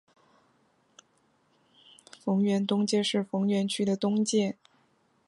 逢源东街是逢源区的东界。